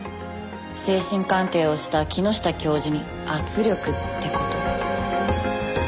精神鑑定をした木下教授に圧力って事？